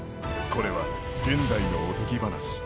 これは現代のおとぎ話。